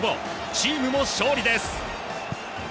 チームも勝利です！